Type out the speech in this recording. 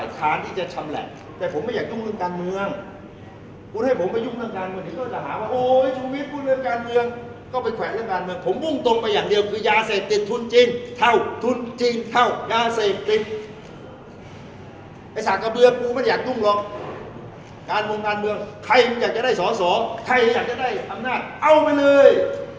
การบุญการเมืองใครมึงอยากจะได้สองสองใครอยากจะได้อำนาจเอามาเลย